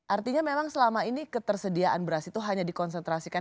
artinya memang selama ini ketersediaan beras itu hanya dikonsentrasikan